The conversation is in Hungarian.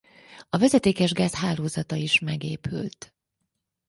A vezetékes gáz hálózata is megépült.